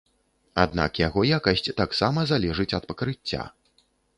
Аднак яго якасць таксама залежыць ад пакрыцця.